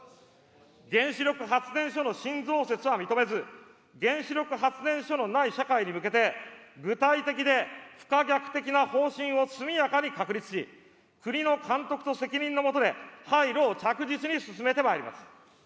原子力発電所の新増設は認めず、原子力発電所のない社会に向けて、具体的で不可逆的な方針を速やかに確立し、国の監督と責任の下で、廃炉を着実に進めてまいります。